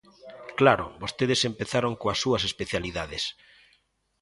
Claro, vostedes empezaron coas súas especialidades.